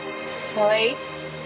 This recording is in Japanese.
かわいい。